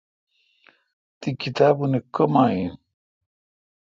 تی کتابونی کم این؟